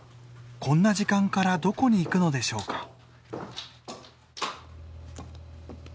こんな時間からどこに行くのでしょうか。